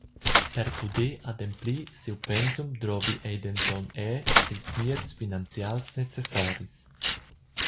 Per puder ademplir siu pensum drovi ei denton era ils mieds finanzials necessaris.